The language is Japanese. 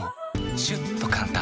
シュッと簡単！